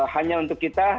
hanya untuk kita